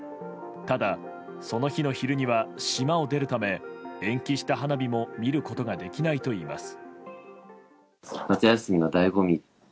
ただ、その日の昼には島を出るため延期した花火も見ることができないといいます。